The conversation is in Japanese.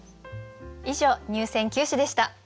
以上入選九首でした。